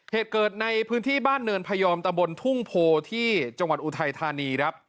เหตุเกิดในพื้นที่บ้านเนินพยอมตะบนทุ่งโพที่จังหวัดอุทัยธานีครับ